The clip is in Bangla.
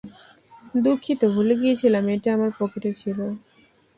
দুঃখিত, ভুলে গিয়েছিলাম এটা আমার পকেটে ছিল।